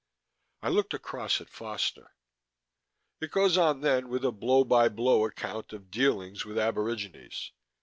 _ I looked across at Foster. "It goes on then with a blow by blow account of dealings with aborigines.